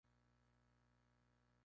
Muchos fueron destruidos en combate.